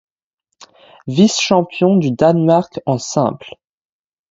Vice-Champion du Danemark en Simple.